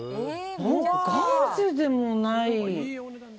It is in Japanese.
何かガーゼでもない。